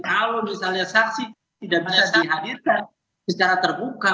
kalau misalnya saksi tidak bisa dihadirkan secara terbuka